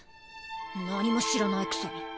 何も知らないくせに！